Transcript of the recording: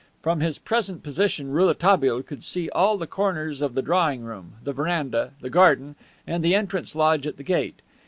From his present position Rouletabille could see all the corners of the drawing room, the veranda, the garden and the entrance lodge at the gate.